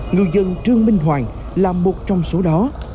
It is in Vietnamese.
người dân trương minh hoàng là một trong số đó